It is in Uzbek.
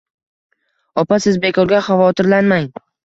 Opa, siz bekorga xavotirlanmang